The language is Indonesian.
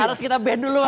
harus kita ban duluan ya